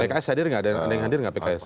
pks hadir nggak ada yang hadir nggak pks